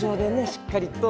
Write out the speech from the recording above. しっかりと。